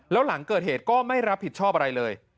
แล้วหลังเกิดเหตุก็ไม่รับผิดชอบอะไรเลย